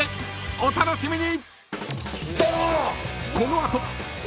［お楽しみに！］